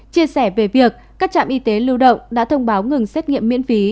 chia sẻ về việc các trạm y tế lưu động đã thông báo ngừng xét nghiệm miễn phí